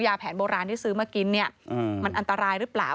แผนโบราณที่ซื้อมากินเนี่ยมันอันตรายหรือเปล่า